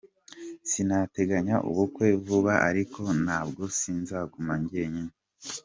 Sinteganya ubukwe vuba ariko nabwo sinzaguma njyenyine.